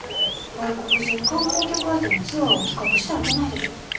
外国人観光客相手のツアーを企画したらどないでしょう？